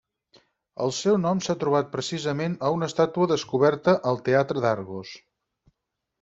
El seu nom s'ha trobat precisament a una estàtua descoberta al teatre d'Argos.